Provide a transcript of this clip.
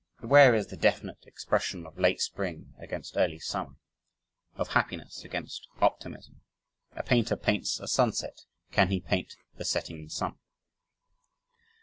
But where is the definite expression of late spring against early summer, of happiness against optimism? A painter paints a sunset can he paint the setting sun?